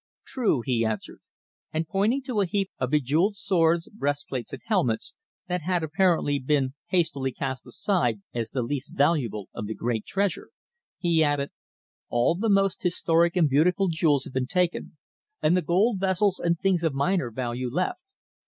"True," he answered, and pointing to a heap of bejewelled swords, breastplates and helmets, that had apparently been hastily cast aside as the least valuable of the great treasure, he added: "All the most historic and beautiful jewels have been taken, and the gold vessels and things of minor value left.